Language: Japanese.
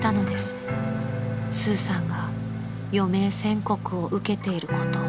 ［スーさんが余命宣告を受けていることを］